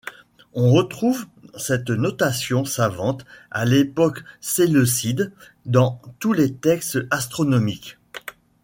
On retrouve cette notation savante à l'époque Séleucide dans tous les textes astronomiques.